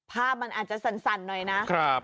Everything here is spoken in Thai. ภาพมันอาจจะสั่นหน่อยนะ